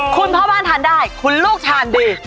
คุณพ่อบ้านทานได้คุณลูกทานดี